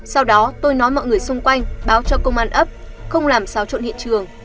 sau đó tôi nói mọi người xung quanh báo cho công an ấp không làm xáo trộn hiện trường